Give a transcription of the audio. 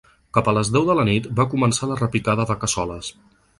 Cap a les deu de la nit va començar la repicada de cassoles.